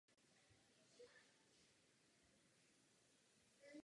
O tři minuty déle vydržely v systému vstupenky na zápas českého týmu se Švédskem.